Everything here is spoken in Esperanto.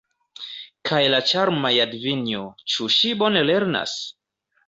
Kaj la ĉarma Jadvinjo, ĉu ŝi bone lernas?